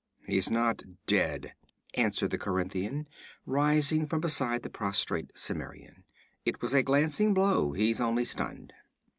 'He's not dead,' answered the Corinthian, rising from beside the prostrate Cimmerian. 'It was a glancing blow; he's only stunned.'